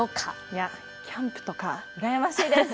いやキャンプとか羨ましいです。